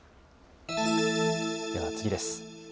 では、次です。